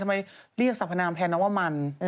ทำไมเรียกสรรพนามแทนน้องว่ามัน